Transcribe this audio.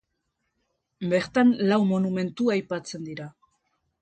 Bertan lau monumentu aipatzen dira.